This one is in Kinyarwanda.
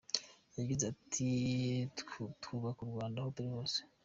Yagize ati "Twubaka u Rwanda aho turi hose.